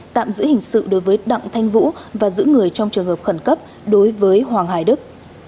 tạm giữ hình sự đối với đặng thanh vũ và giữ người trong trường hợp khẩn cấp đối với hoàng hải đức